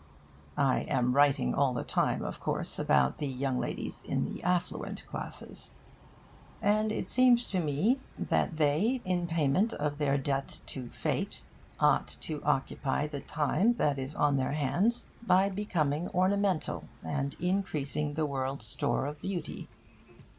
(I am writing all the time, of course, about the young ladies in the affluent classes.) And it seems to me that they, in payment of their debt to Fate, ought to occupy the time that is on their hands by becoming ornamental, and increasing the world's store of beauty.